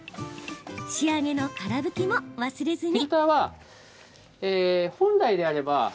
仕上げの、から拭きも忘れずに。